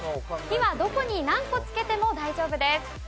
「日」はどこに何個つけても大丈夫です。